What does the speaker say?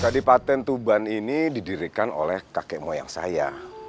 kedipaten tuban ini didirikan oleh kakek moyang saya